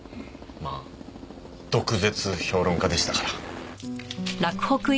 まあ毒舌評論家でしたから。